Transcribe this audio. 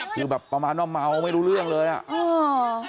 คือแบบประมาณว่าเมาไม่รู้เรื่องเลยอ่ะ